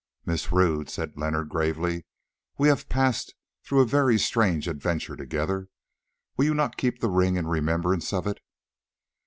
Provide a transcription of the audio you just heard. "Miss Rodd," said Leonard gravely, "we have passed through a very strange adventure together; will you not keep the ring in remembrance of it?"